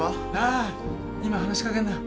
あ今話しかけるな！